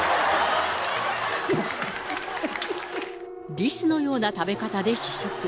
リスのような食べ方で試食。